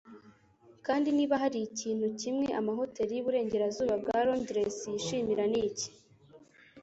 Kandi niba hari ikintu kimwe amahoteri yi burengerazuba bwa Londres yishimira niki